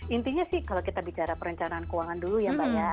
intinya sih kalau kita bicara perencanaan keuangan dulu ya mbak ya